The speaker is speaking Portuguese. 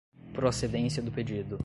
procedência do pedido